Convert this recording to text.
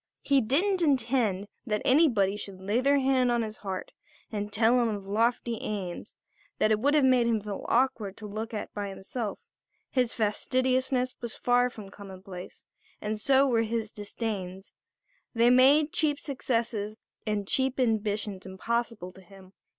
He didn't intend that anybody should lay their hand on his heart and tell him of lofty aims that it would have made him feel awkward to look at by himself; his fastidiousness was far from commonplace, and so were his disdains; they made cheap successes and cheap ambitions impossible to him.